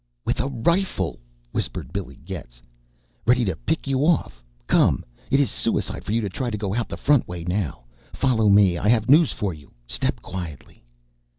"With a rifle!" whispered Billy Getz. "Ready to pick you off. Come! It is suicide for you to try to go out the front way now. Follow me; I have news for you. Step quietly!"